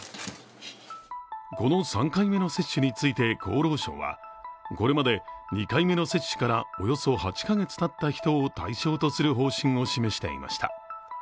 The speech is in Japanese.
この３回目の接種について厚労省はこれまで２回目の接種からおよそ８カ月たった人を対象とする方針を示していました。